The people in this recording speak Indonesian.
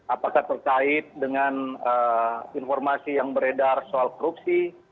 apakah terkait dengan informasi yang beredar soal korupsi